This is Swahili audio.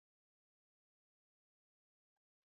Ameenda kazini leo.